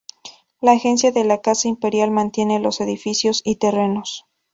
La Agencia de la Casa Imperial mantiene los edificios y terrenos.